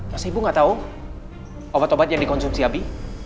terus ibu nggak tahu obat obat yang dikonsumsi abi